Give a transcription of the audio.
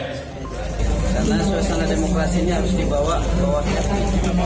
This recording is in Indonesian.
karena suasana demokrasinya harus dibawa ke bawah